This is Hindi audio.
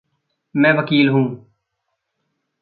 मैं वकील हूँ।